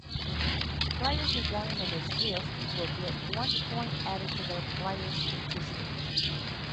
Players who gain an assist will get one point added to their player statistics.